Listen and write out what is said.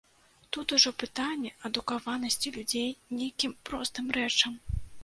Тут ужо пытанне адукаванасці людзей нейкім простым рэчам.